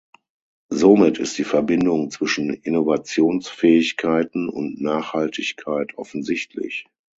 Somit ist die Verbindung zwischen Innovationsfähigkeiten und Nachhaltigkeit offensichtlich.